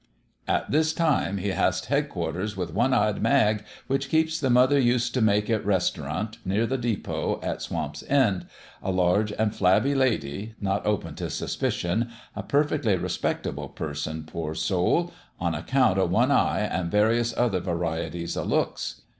" At this time he hast headquarters with One Eyed Mag, which keeps the Mother Used t' Make It Restaurant, near the depot at Swamp's End, a large an' flabby lady, not open t' sus picion, a perfectly respectable person, poor soul ! on account o' one eye an' various other varieties o' looks.